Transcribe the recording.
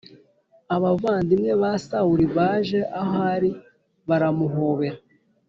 abavandimwe ba Sawuli baje aho ari baramuhobera